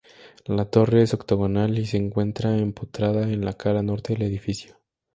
La torre es octogonal y se encuentra empotrada en la cara norte del edificio.